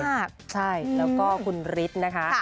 ใช่แล้วก็คุณฤทธิ์นะคะ